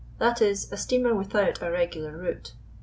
That is, a steamer with out a regular route.